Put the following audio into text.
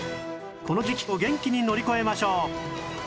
この時期を元気に乗り越えましょう